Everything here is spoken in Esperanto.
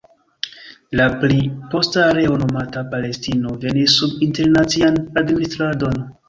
La pli posta areo, nomata Palestino venis sub internacian administradon.